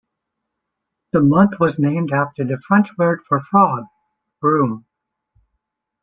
The month was named after the French word for fog, "brume".